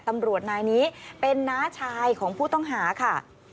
ตำรวจนายนี้เป็นน้าชายของผู้ต้องหาค่ะ